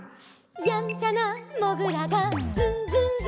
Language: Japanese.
「やんちゃなもぐらがズンズンズン」